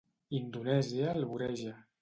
Indonèsia el voreja.